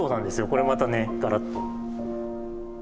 これまたねガラッと。